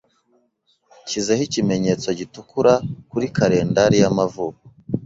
Nshyizeho ikimenyetso gitukura kuri kalendari y'amavuko.